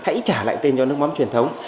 hãy trả lại tên cho nước mắm truyền thống